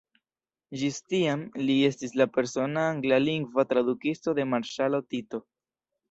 Ĝis tiam, li estis la persona anglalingva tradukisto de marŝalo Tito.